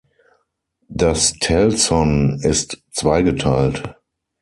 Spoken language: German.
Das Telson ist zweigeteilt.